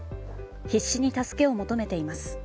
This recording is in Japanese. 必死に助けを求めています。